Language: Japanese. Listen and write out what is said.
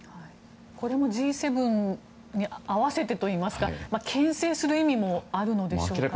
これもＧ７に合わせてというかけん制する意味もあるのでしょうか。